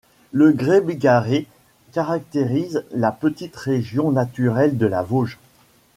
Le grès bigarré caractérise la petite région naturelle de la Vôge.